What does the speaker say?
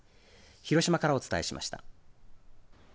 広島からお伝えしました。